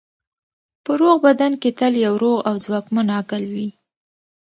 په روغ بدن کې تل یو روغ او ځواکمن عقل وي.